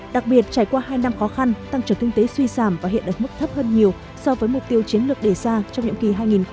đặc biệt trải qua hai năm khó khăn tăng trưởng kinh tế suy giảm và hiện đại mức thấp hơn nhiều so với mục tiêu chiến lược đề ra trong những kỳ hai nghìn hai mươi một hai nghìn hai mươi năm